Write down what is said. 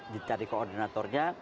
di cari koordinatornya